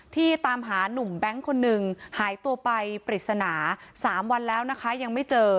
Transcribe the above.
ที่ตามหานุ่มแบงค์กันนึงหายตัวไปปริศนา๓วันแล้วยังไม่เจอ